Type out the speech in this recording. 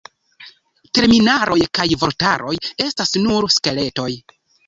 Terminaroj kaj vortaroj estas nur skeletoj.